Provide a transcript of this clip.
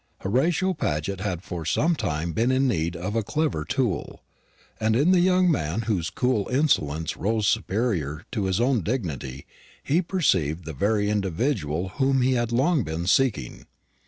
Horatio Paget had for some time been in need of a clever tool; and in the young man whose cool insolence rose superior to his own dignity he perceived the very individual whom he had long been seeking.